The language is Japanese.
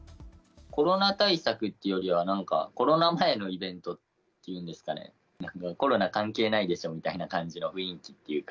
コロナ対策というよりは、なんか、コロナ前のイベントっていうんですかね、コロナ関係ないでしょみたいな感じの雰囲気っていうか。